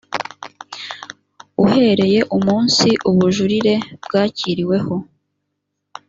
uhereye umunsi ubujurire bwakiriweho